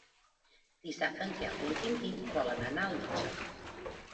Dissabte en Quel i en Quintí volen anar al metge.